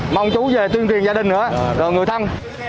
mong chú về tuyên truyền gia đình nữa rồi người thân